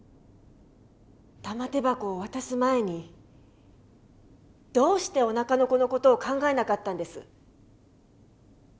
玉手箱を渡す前にどうしておなかの子の事を考えなかったんです？